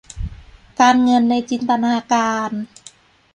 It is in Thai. การเงินในจินตนาการ